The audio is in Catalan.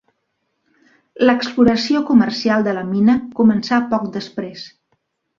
L'exploració comercial de la mina començà poc després.